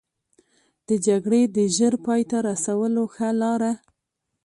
د جګړې د ژر پای ته رسولو ښه لاره.